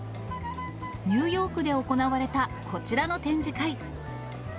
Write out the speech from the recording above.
ニューヨークで行われた、こちらの展示会。